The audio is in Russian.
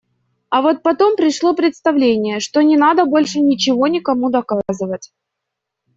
А вот потом пришло представление, что не надо больше ничего никому доказывать.